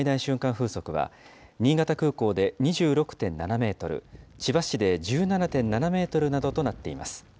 風速は新潟空港で２６．７メートル、千葉市で１７．７メートルなどとなっています。